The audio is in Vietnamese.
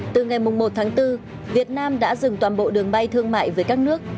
từ ngày một tháng bốn việt nam đã dừng toàn bộ đường bay thương mại với các nước